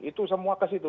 itu semua ke situ